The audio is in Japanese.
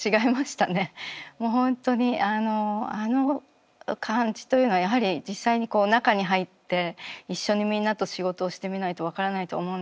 もう本当にあの感じというのはやはり実際に中に入って一緒にみんなと仕事をしてみないと分からないと思うんですけれども。